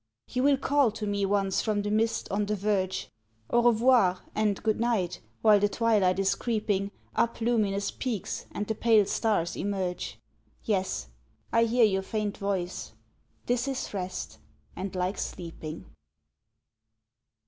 You will call to me once from the mist, on the verge, "An revoir!" and "Good night!" while the twilight is creeping Up luminous peaks, and the pale stars emerge? Yes, I hear your faint voice: "This is rest, and like sleeping!"